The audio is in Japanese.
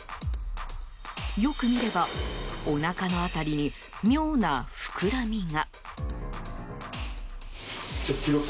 よく見れば、おなかの辺りに妙な膨らみが。